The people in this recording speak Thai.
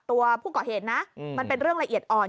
ตัวผู้ก่อเหตุนะมันเป็นเรื่องละเอียดอ่อน